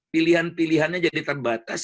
pilihan pilihannya jadi terbatas